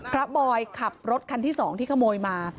บอยขับรถคันที่๒ที่ขโมยมา